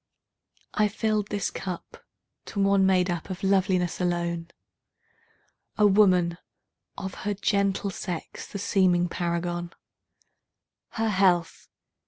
I filled this cup to one made up of loveliness alone,A woman, of her gentle sex the seeming paragon—Her health!